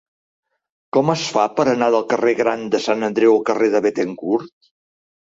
Com es fa per anar del carrer Gran de Sant Andreu al carrer de Béthencourt?